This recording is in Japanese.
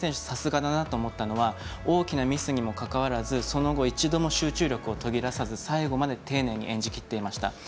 さすがだなと思ったのは大きなミスにもかかわらずその後、一度も集中力を途切らさず最後まで丁寧に演じきっていました。